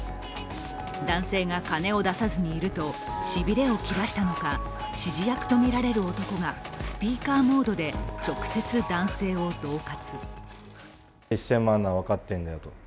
男性が金を出さずにいると、しびれを切らしたのか指示役とみられる男がスピーカーモードで直接男性をどう喝。